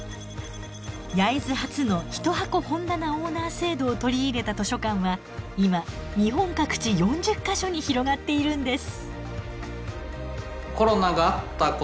焼津発の一箱本棚オーナー制度を取り入れた図書館は今日本各地４０か所に広がっているんです。